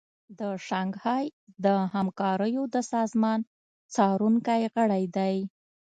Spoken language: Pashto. د شانګهای د همکاریو د سازمان څارونکی غړی دی